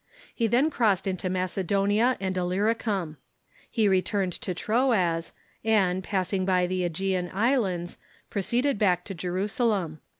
He then crossed into Macedonia and Illyricura. He returned to Troas, and, passing by the ^Egean islands, proceeded back to Jerusa lem.